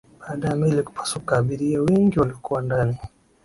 baada ya meli kupasuka abiria wengi walikuwa ndani